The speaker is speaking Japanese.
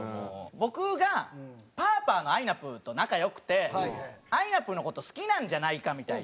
僕がパーパーのあいなぷぅと仲良くてあいなぷぅの事好きなんじゃないかみたいな。